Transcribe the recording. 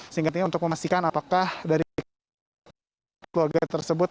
sehingga untuk memastikan apakah dari keluarga tersebut